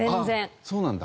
あっそうなんだ。